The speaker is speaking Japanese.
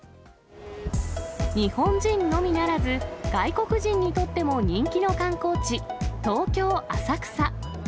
日本人のみならず、外国人にとっても人気の観光地、東京・浅草。